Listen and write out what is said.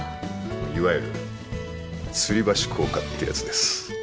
いわゆる吊り橋効果ってやつです。